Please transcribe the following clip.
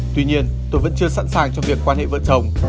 tuy nhiên tôi vẫn chưa sẵn sàng trong việc quan hệ vợ chồng